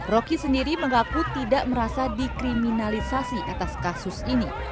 roky sendiri mengaku tidak merasa dikriminalisasi atas kasus ini